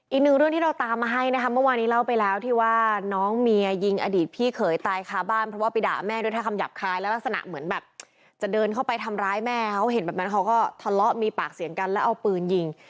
อีกหนึ่งเรื่องที่เราตามมาให้นะคะเมื่อวานี้เล่าไปแล้วที่ว่าน้องเมียยิงอดีตพี่เขยตายคาบ้านเพราะว่าไปด่าแม่ด้วยถ้าคำหยาบคายและลักษณะเหมือนแบบจะเดินเข้าไปทำร้ายแม่เขาเห็นแบบนั้นเขาก็ทะเลาะมีปากเสียงกันแล้วเอาปืนยิง